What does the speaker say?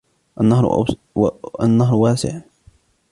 النهر وأسع